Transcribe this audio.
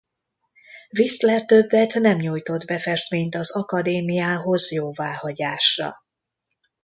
Whistler többet nem nyújtott be festményt az Akadémiához jóváhagyásra.